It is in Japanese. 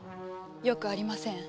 よくありません。